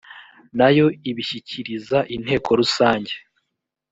na yo ibishyikiriza inteko rusange